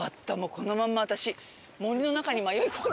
このまんま私。